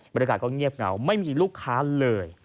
บรรยากาศก็เงียบเหงาไม่มีลูกค้าเลย